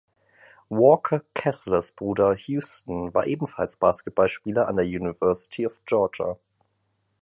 Walker Kesslers Bruder Houston war ebenfalls Basketballspieler an der University of Georgia.